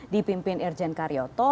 dipimpin irjen karyoto